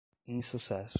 insucesso